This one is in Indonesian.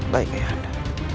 baik rai anda